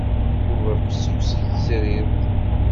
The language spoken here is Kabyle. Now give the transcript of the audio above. Yuba fessus i tezrirt.